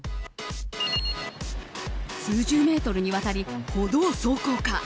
数十メートルにわたり歩道走行か。